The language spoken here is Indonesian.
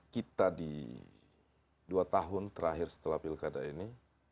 kita di dua tahun terakhir setelah pilkada ini